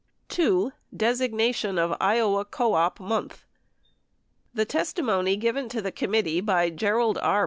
2. DESIGNATION OF IOWA CO OP MONTH The testimony given to the committee by Gerald K.